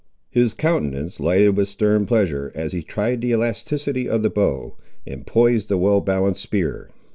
His countenance lighted with stern pleasure, as he tried the elasticity of the bow, and poised the well balanced spear.